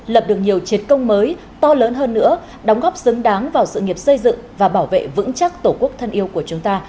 lập được nhiều chiến công mới to lớn hơn nữa đóng góp xứng đáng vào sự nghiệp xây dựng và bảo vệ vững chắc tổ quốc thân yêu của chúng ta